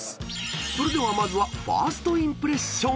［それではまずは１ｓｔインプレッション］